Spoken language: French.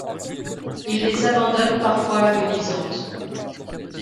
Ils les abandonnent parfois agonisantes.